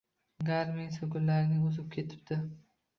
Garmsel gullaring uzib ketibdi.